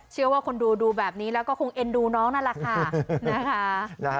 เชื่อว่าคนดูดูแบบนี้แล้วก็คงเอ็นดูน้องนั่นแหละค่ะนะคะ